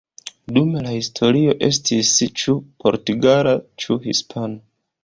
Dum la historio estis ĉu portugala ĉu hispana.